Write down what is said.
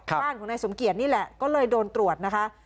บ้านของนายสมเกียจนี่แหละก็เลยโดนตรวจนะคะ